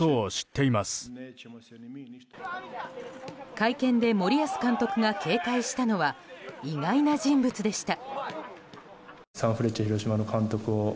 会見で森保監督が警戒したのは意外な人物でした。